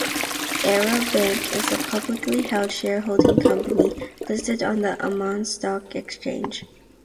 Arab Bank is a publicly held shareholding company listed on the Amman Stock Exchange.